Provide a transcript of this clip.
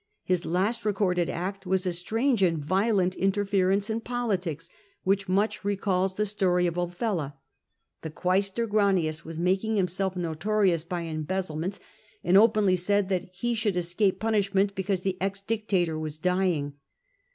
His last recorded act was a strange and violent inter ference in politics, which much recalls the story of Ofella. The Quaestor Granins was making himself notorious by embezzlements, and openly said that he should escape punishment because the ex dictator was dying.